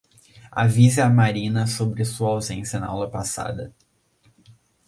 Avisei à Marina sobre sua ausência na aula passada